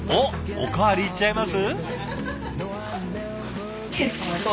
おかわりいっちゃいます？